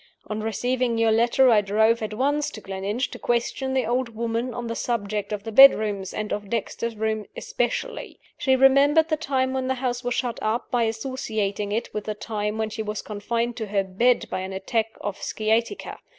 On receiving your letter, I drove at once to Gleninch to question the old woman on the subject of the bedrooms, and of Dexter's room especially. She remembered the time when the house was shut up by associating it with the time when she was confined to her bed by an attack of sciatica.